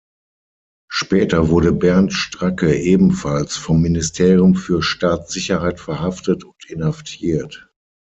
Später wurde Bernd Stracke ebenfalls vom Ministerium für Staatssicherheit verhaftet und inhaftiert.